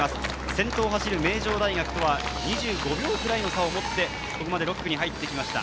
先頭を走る名城大学とは２５秒くらいの差を持って、ここまで６区に入ってきました。